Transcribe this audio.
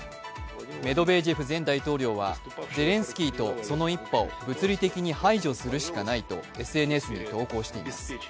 メドベージェフ前大統領はゼレンスキーとその一派を物理的に排除するしかないとＳＮＳに投稿しています。